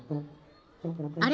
あれ？